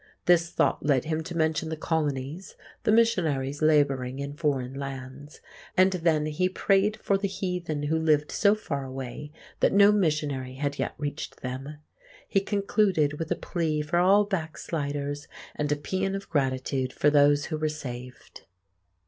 This thought led him to mention the Colonies, the missionaries labouring in foreign lands; and then he prayed for the heathen who lived so far away that no missionary had yet reached them. He concluded with a plea for all backsliders and a pæan of gratitude for those who were saved.